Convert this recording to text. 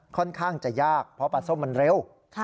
ค่อนข้างจะยากเพราะปลาส้มมันเร็ว